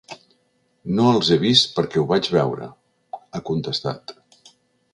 No els he vist perquè ho vaig veure, ha contestat.